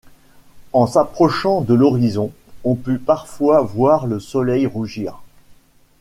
En s'approchant de l'horizon, on peut parfois voir le soleil rougir.